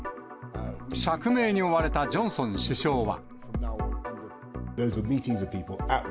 釈明に追われたジョンソン首相は。